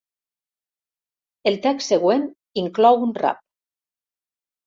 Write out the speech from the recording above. El text següent inclou un rap.